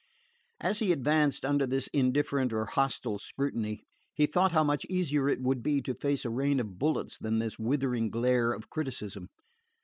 As he advanced under this indifferent or hostile scrutiny, he thought how much easier it would be to face a rain of bullets than this withering glare of criticism.